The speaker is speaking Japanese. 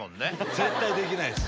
絶対できないです。